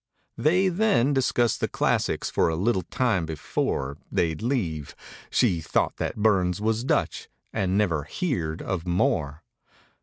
They then discussed the classics for a little time before They'd leave. She thought that Burns was Dutch and never "heerd" of Moore.